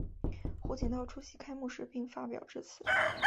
胡锦涛出席开幕式并发表致辞。